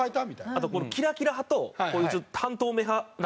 あとキラキラ派とこういう半透明派。